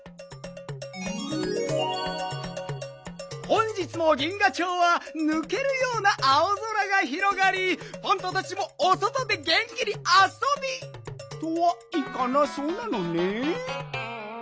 本日も銀河町はぬけるような青空がひろがりパンタたちもおそとでげんきにあそびとはいかなそうなのねん。